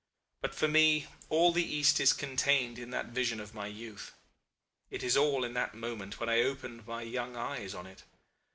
But for me all the East is contained in that vision of my youth. It is all in that moment when I opened my young eyes on it.